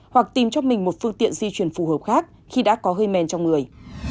hoặc tìm cho mình một phương tiện di chuyển phù hợp khác khi đã có hơi men trong người